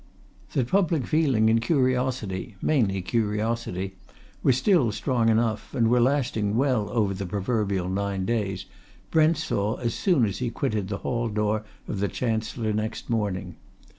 That public feeling and curiosity mainly curiosity were still strong enough, and were lasting well over the proverbial nine days, Brent saw as soon as he quitted the hall door of the Chancellor next morning.